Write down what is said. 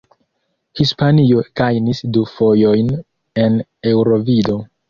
Hispanio gajnis du fojojn en Eŭrovido.